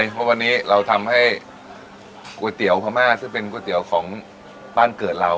เพราะวันนี้เราทำให้ก๋วยเตี๋ยวพม่าซึ่งเป็นก๋วยเตี๋ยวของบ้านเกิดเรา